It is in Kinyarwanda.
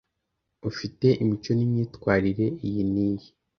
ufite imico n’imyitwarire iyi n’iyi,